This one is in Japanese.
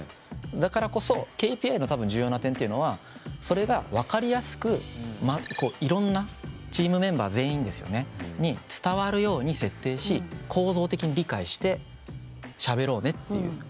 だからこそＫＰＩの多分重要な点っていうのはそれが分かりやすくいろんなチームメンバー全員ですよねに伝わるように設定し構造的に理解してしゃべろうねっていう。